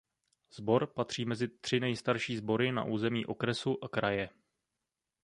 Sbor patří mezi tři nejstarší sbory na území okresu a kraje.